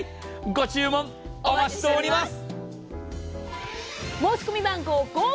ご注文、お待ちしております！